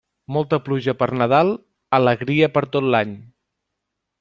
Molta pluja per Nadal, alegria per tot l'any.